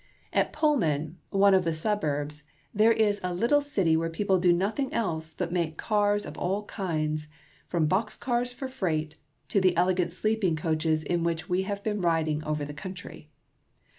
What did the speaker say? At Pullman, one of the suburbs, there is a little city where people do nothing else but make cars of all kinds, from box cars for freight to the elegant sleeping coaches in which we have been riding over the country.